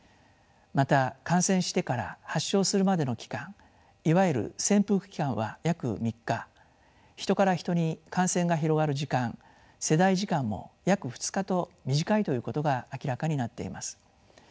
また感染してから発症するまでの期間いわゆる潜伏期間は約３日人から人に感染が広がる時間世代時間も約２日と短いということが明らかになっています。